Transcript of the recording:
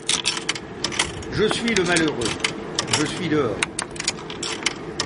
Je suis le malheureux, je suis dehors.